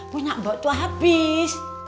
punya mbak tuh habis